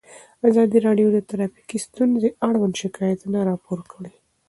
ازادي راډیو د ټرافیکي ستونزې اړوند شکایتونه راپور کړي.